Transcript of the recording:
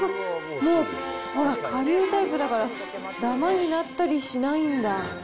もうほら、顆粒タイプだから、だまになったりしないんだ。